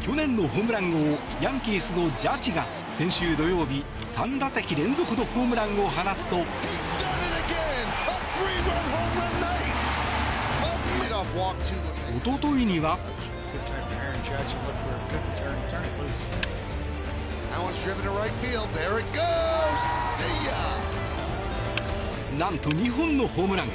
去年のホームラン王ヤンキースのジャッジが先週土曜日３打席連続のホームランを放つと一昨日には。何と２本のホームラン。